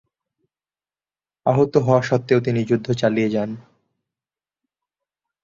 আহত হওয়া সত্ত্বেও তিনি যুদ্ধ চালিয়ে যান।